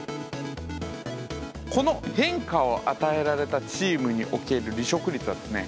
この変化を与えられたチームにおける離職率はですね